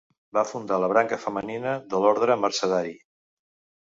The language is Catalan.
Va fundar la branca femenina de l'orde mercedari.